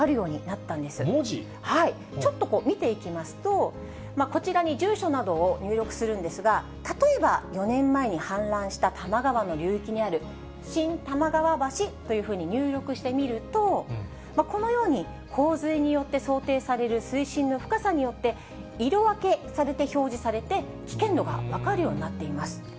ちょっと見ていきますと、こちらに住所などを入力するんですが、例えば４年前に氾濫した多摩川の流域にある新多摩川橋というふうに入力してみると、このように洪水によって想定される水深の深さによって、色分けされて表示されて、危険度が分かるようになっています。